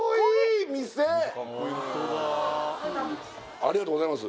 ありがとうございます